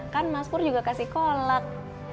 kan mas pur juga kasih kolak